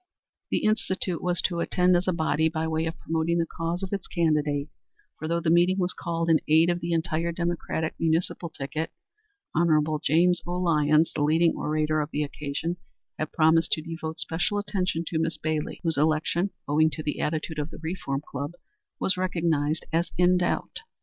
The Institute was to attend as a body by way of promoting the cause of its candidate, for though the meeting was called in aid of the entire Democratic municipal ticket, Hon. James O. Lyons, the leading orator of the occasion, had promised to devote special attention to Miss Bailey, whose election, owing to the attitude of the Reform Club, was recognized as in doubt.